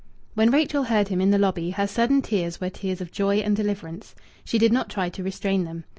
When Rachel heard him in the lobby her sudden tears were tears of joy and deliverance. She did not try to restrain them.